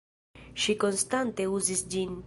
Ŝi konstante uzis ĝin.